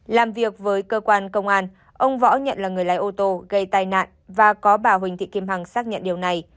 làm việc với cơ quan công an ông võ nhận là người lái ô tô gây tai nạn và có bà huỳnh thị kim hằng xác nhận điều này